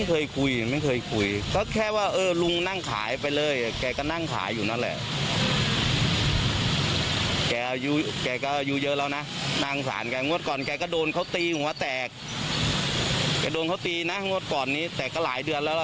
เอาลองฟังเสียงเขาหน่อยนะคะ